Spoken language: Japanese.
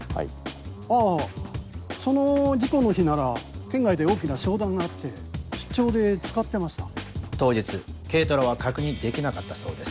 あぁその事故の日なら県外で大きな商談があって出張で使ってました当日軽トラは確認できなかったそうです。